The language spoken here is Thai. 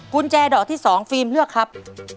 กุญแจดอกที่๒ฟิล์มเลือกครับ